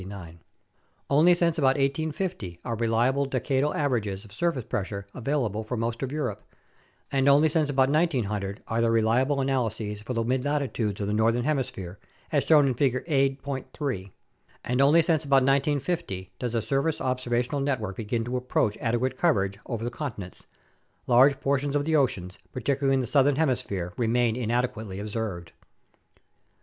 Only since about 1850 are reliable decadal averages of surface pressure available for most of Europe, and only since about 1900 are there reliable analyses for the midlatitudes of the northern hemisphere, as shown in Figure A. 3. And only since about 1950 does the surface observational network begin to approach adequate coverage over the continents; large portions of the oceans, particularly in the southern hemisphere, remain inadequately observed.